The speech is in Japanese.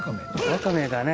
ワカメだね。